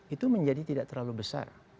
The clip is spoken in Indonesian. itu menjadi tidak terlalu besar